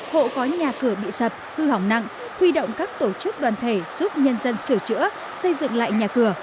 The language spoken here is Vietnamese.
hộ có nhà cửa bị sập hư hỏng nặng huy động các tổ chức đoàn thể giúp nhân dân sửa chữa xây dựng lại nhà cửa